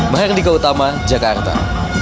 maha indigo utama jakarta